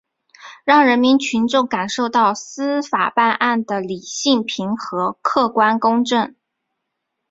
让人民群众感受到司法办案的理性平和、客观公正